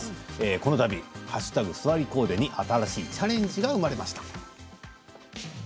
このたび＃すわりコーデに新しいチャレンジが生まれました。